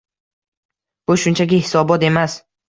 Bu shunchaki hisobot emas